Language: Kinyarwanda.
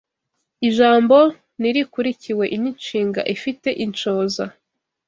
Ijambo ni rikurikiwe n’inshinga ifite inshoza